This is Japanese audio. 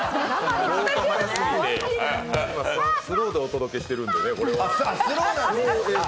今、スローでお届けしてるんでね。